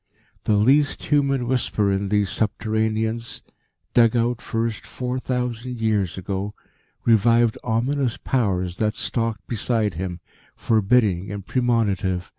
The least human whisper in these subterraneans, dug out first four thousand years ago, revived ominous Powers that stalked beside him, forbidding and premonitive.